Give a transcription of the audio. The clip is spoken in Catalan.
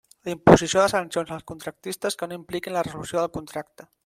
La imposició de sancions als contractistes que no impliquin la resolució del contracte.